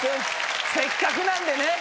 せっかくなんでね！